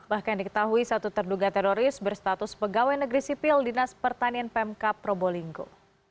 bahkan diketahui satu terduga teroris berstatus pegawai negeri sipil dinas pertanian pemkap probolinggo